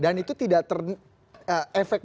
dan itu tidak terlihat efek